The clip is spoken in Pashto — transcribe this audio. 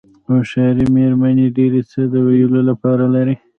هوښیارې مېرمنې ډېر څه د ویلو لپاره لري.